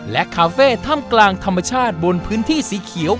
และคาเฟ่ถ้ำกลางธรรมชาติบนพื้นที่สีเขียว